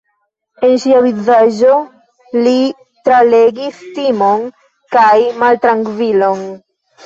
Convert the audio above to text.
En ŝia vizaĝo li tralegis timon kaj maltrankvilon.